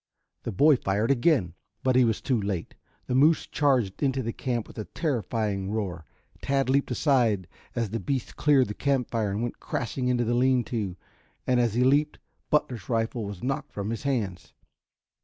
The boy fired again, but he was too late. The moose charged into the camp with a terrifying roar. Tad leaped aside as the beast cleared the camp fire and went crashing into the lean to, and, as he leaped, Butler's rifle was knocked from his hands.